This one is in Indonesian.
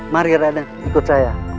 mari raden ikut saya